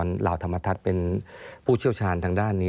เหล่าธรรมทัศน์เป็นผู้เชี่ยวชาญทางด้านนี้